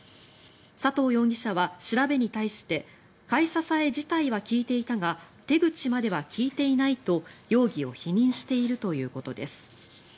佐藤容疑者は調べに対して買い支え自体は聞いていたが手口までは聞いていないと容疑を否認しているということです。